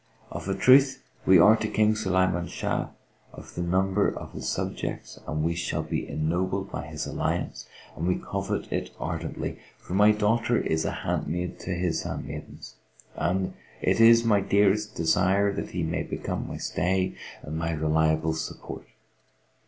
Of a truth we are to King Sulayman Shah of the number of his subjects, and we shall be ennobled by his alliance and we covet it ardently; for my daughter is a handmaid of his handmaidens, and it is my dearest desire that he may become my stay and my reliable support."